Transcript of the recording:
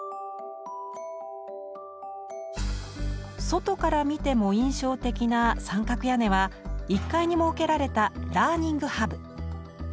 外から見ても印象的な三角屋根は１階に設けられた「ラーニングハブ」。